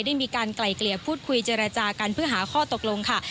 ได้มีการไกลเกลี่ยพูดคุยเจรจากันเพื่อหาข้อตกลงค่ะ